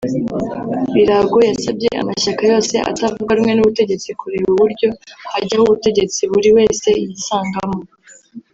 Biraago yasabye amashyaka yose atavuga rumwe n’ubutegetsi kureba uburyo hajyaho ubutegetsi buri wese yisangamo